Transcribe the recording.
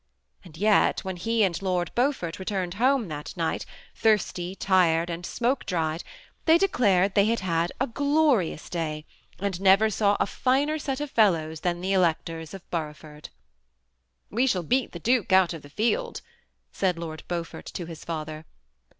And yet whea he and Lord Beaufort d home at night, thirsty, tired, and smoke dried, clared they bad had a " glorious day," and never iner set of fellows than the electors of Borougb ! shall beat the duke out of the field," stud Ixvd rt to his father.